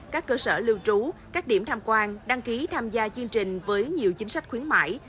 các cơ sở lưu trú các điểm tham quan đăng ký tham gia chương trình với nhiều chính sách khuyến mãi